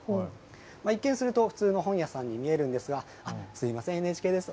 一見すると、普通の本屋さんに見えるんですが、すみません、ＮＨＫです。